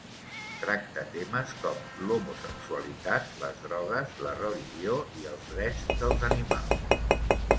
Tracta temes com l'homosexualitat, les drogues, la religió i els drets dels animals.